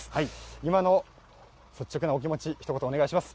今の率直なお気持ち、ひと言お願いします。